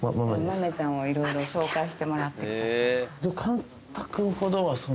豆ちゃんをいろいろ紹介してもらってください。